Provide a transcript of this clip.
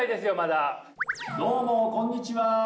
どうもこんにちは。